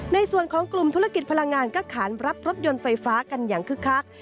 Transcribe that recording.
ในส่วนของกลุ่มธุรกิจพลังงานก็ขานรับรถยนต์ไฟฟ้ากันอย่างคึกคัก